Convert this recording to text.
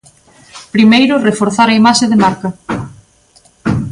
Primeiro, reforzar a imaxe de marca.